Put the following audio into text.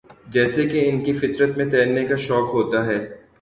جیسے کہ ان کی فطر ت میں تیرنے کا شوق ہوتا ہے